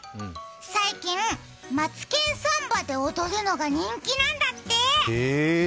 最近「マツケンサンバ」で踊るのが人気なんだって。